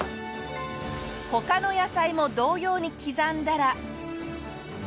他の野菜も同様に刻んだら。